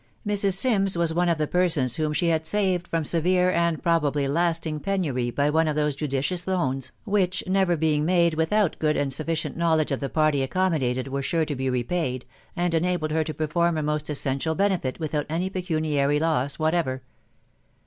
Mrs. Sims was one of the persons whom she had saved from severe, and pro bably lasting penury, by one of those judicious loans, which, never being made without good and sufficient knowledge of the party accommodated, were sure to be repaid, and enabled her to perform a most essential benefit without any pecuniary loss whatever.